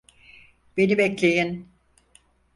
Beni bekleyin!